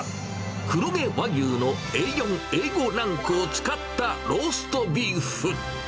黒毛和牛のＡ４、Ａ５ランクを使ったローストビーフ。